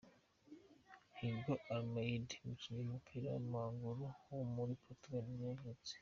Hugo Almeida, umukinnyi w’umupira w’amaguru wo muri Portugal nibwo yavutse.